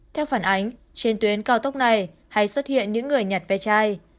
theo phản ánh trên tuyến cao tốc này hay xuất hiện những người nhặt ve chai